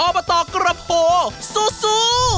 อบตกระโปสู้